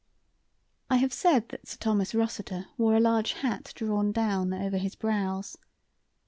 I have said that Sir Thomas Rossiter wore a large hat drawn down over his brows.